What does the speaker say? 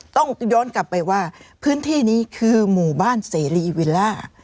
ต้องย้อนกลับไปว่าพื้นที่นี้คือหมู่บ้านเสรีวิลล่า